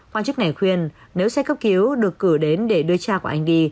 quan chức này khuyên nếu xe cấp cứu được cử đến để đưa cha của anh đi